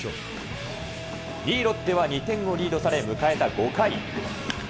２位ロッテは２点をリードされ、迎えた５回。